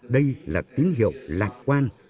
đây là tín hiệu lạc quan